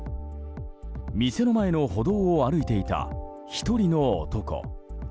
店の前の歩道を歩いていた１人の男。